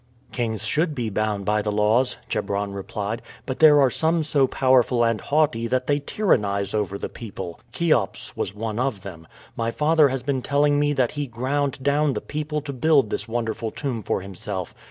"Kings should be bound by the laws," Chebron replied; "but there are some so powerful and haughty that they tyrannize over the people. Cheops was one of them. My father has been telling me that he ground down the people to build this wonderful tomb for himself.